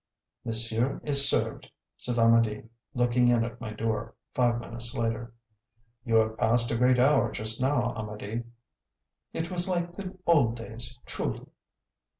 "Monsieur is served," said Amedee, looking in at my door, five minutes later. "You have passed a great hour just now, Amedee." "It was like the old days, truly!"